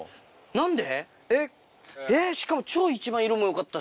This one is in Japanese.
何で？